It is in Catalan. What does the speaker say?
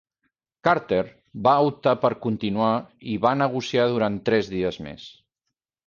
Carter va optar per continuar i va negociar durant tres dies més.